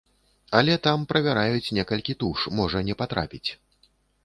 Але там правяраюць некалькі туш, можа не патрапіць.